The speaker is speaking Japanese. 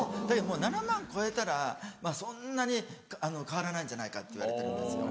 ７万超えたらまぁそんなに変わらないんじゃないかっていわれてるんですよ。